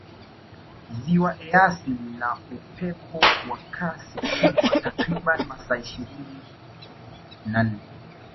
ziwa eyasi lina upepo wa Kasi kubwa takribani masaa ishirini na nne